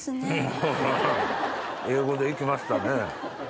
英語で行きましたね。